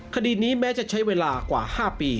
คดีนี้แม้จะใช้เวลากว่า๕ปี